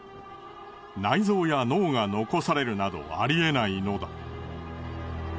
内臓や脳が残されるなどありえないのだ。